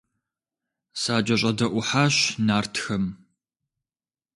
СакӀэщӀэдэӀухьащ нартхэм.